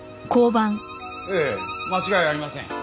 ええ間違いありません。